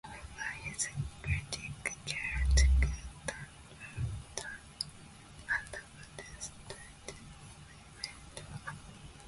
However his Celtic career took a downward turn under Gordon Strachan's management.